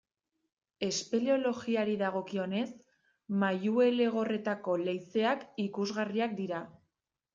Espeleologiari dagokionez, Mairuelegorretako leizeak ikusgarriak dira.